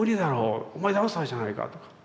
お前ダンサーじゃないか」とか。